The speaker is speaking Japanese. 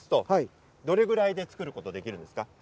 どれくらいで作ることができるんですか？